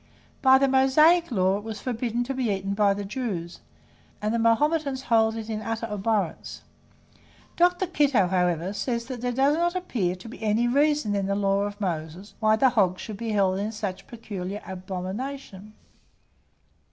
By the Mosaic law it was forbidden to be eaten by the Jews, and the Mahometans hold it in utter abhorrence. Dr. Kitto, however, says that there does not appear to be any reason in the law of Moses why the hog should be held in such peculiar abomination.